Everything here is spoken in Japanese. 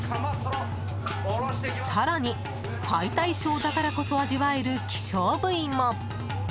更に、解体ショーだからこそ味わえる希少部位も。